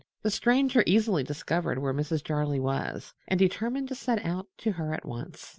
The Stranger easily discovered where Mrs. Jarley was, and determined to set out to her at once.